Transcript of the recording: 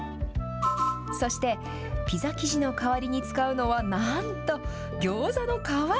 そして、ピザ生地の代わりに使うのはなんと、餃子の皮。